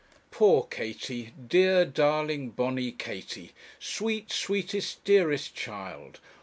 Poor Katie! dear, darling, bonny Katie! sweet sweetest, dearest child!